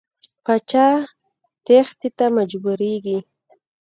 پاچا تېښتې ته مجبوریږي.